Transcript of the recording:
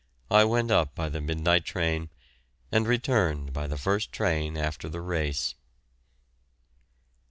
I went up by the midnight train, and returned by the first train after the race."